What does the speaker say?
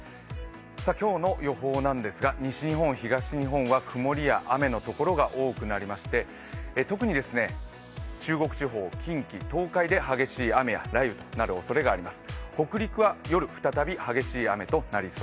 今日の予報ですが、西日本、東日本は曇りや雨の所が多くなりまして特に中国地方、近畿、東海で激しい雨や雷雨になるおそれがあります。